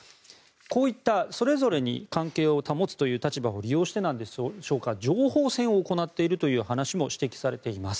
こういった、それぞれに関係を保つという立場を利用してなんでしょうか情報戦を行っているという話も指摘されています。